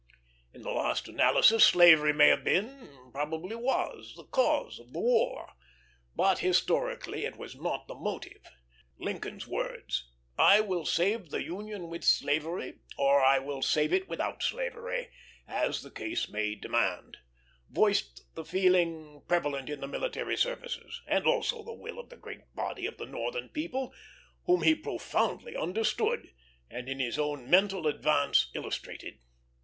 In last analysis slavery may have been, probably was, the cause of the war; but, historically, it was not the motive. Lincoln's words "I will save the Union with slavery, or I will save it without slavery, as the case may demand" voiced the feeling prevalent in the military services, and also the will of the great body of the Northern people, whom he profoundly understood and in his own mental advance illustrated.